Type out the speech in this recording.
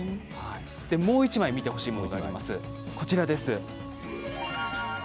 もう１枚見てほしいものがあります。